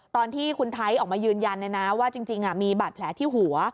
ตอนที่คุณไทยออกมายืนยันเลยนะว่าจริงมีบาดแผลที่หัว